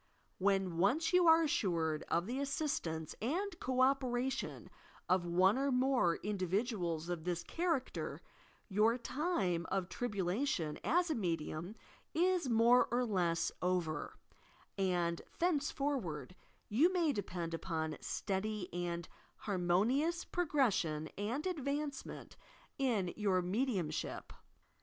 When once you are assured of the assistance and co operation of one or more iudiv iduals of this char acter, your time of tribulation as a medium is more or less over, and thenceforward you may depend upon steady and harmonious progression and advancement in your mediumship.